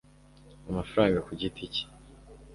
amafaranga ku giti cye